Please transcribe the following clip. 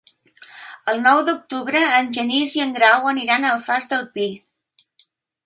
El nou d'octubre en Genís i en Grau aniran a l'Alfàs del Pi.